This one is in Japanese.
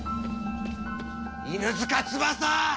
犬塚翼！